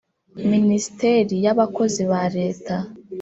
Minisiteri y Abakozi ba leta